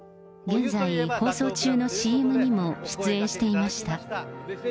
現在放送中のＣＭにも出演していました。